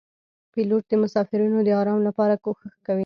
پیلوټ د مسافرینو د آرام لپاره کوښښ کوي.